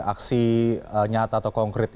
aksi nyata atau konkret